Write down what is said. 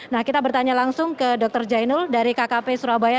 nah kita bertanya langsung ke dr jainul dari kkp surabaya